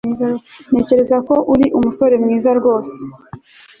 Ntekereza ko uri umusore mwiza rwose